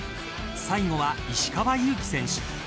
最後は石川祐希選手。